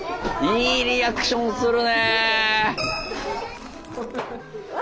いいリアクションするね！